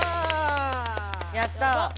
やった！